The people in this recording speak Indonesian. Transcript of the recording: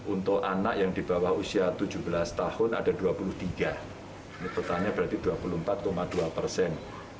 untuk anak yang di bawah usia tujuh belas tahun ada dua puluh tiga ini totalnya berarti dua puluh empat dua persen